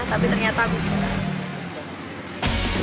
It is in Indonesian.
tapi ternyata nggak